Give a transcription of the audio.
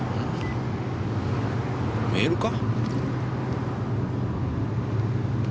メールか？